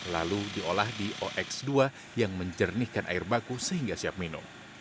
lalu diolah di ox dua yang menjernihkan air baku sehingga siap minum